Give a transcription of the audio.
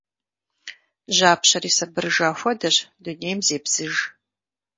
Жьапщэри сабырыжа хуэдэщ. Дунейм зебзыж.